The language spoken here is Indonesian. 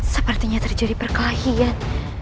sepertinya terjadi perkelahian